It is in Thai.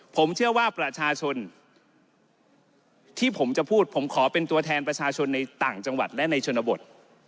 ผมเชื่อว่าประชาชนที่ผมจะพูดผมขอเป็นตัวแทนประชาชนในต่างจังหวัดและในชนบท